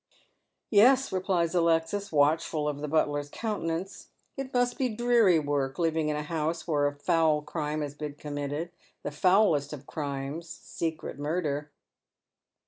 " Yes," replies Alexis, watchful of the butler's countenance. " It must be dreary work living in a house where a foul crime has been committed — the foulest of crimes, secret murder."